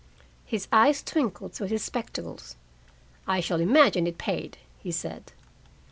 His eyes twinkled through his spectacles. "I shall imagine it paid," he said.